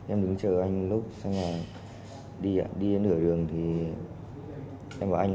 em đứng chờ anh lúc sang nhà đi đi đến nửa đường thì em bảo anh